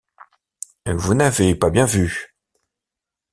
Vous n’avez pas bien vu.